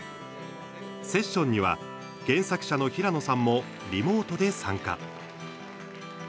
セッションには原作者の平野さんもリモートで参加。